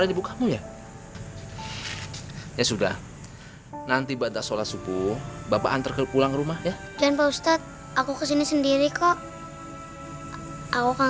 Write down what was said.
aku tuh parameters yang udah tak gimana